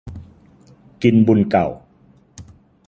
กินบุญเก่า